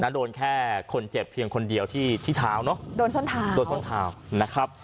โดนแค่คนเจ็บเพียงคนเดียวที่ที่เท้าเนอะโดนส้นเท้าโดนส้นเท้านะครับ